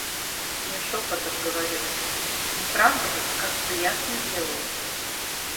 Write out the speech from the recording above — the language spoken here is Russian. Я шопотом говорю это... Не правда ли, как всё ясно делается?